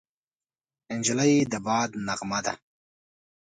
نجلۍ د باد نغمه ده.